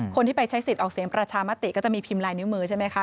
คนที่ไปใช้สิทธิ์ออกเสียงประชามติก็จะมีพิมพ์ลายนิ้วมือใช่ไหมคะ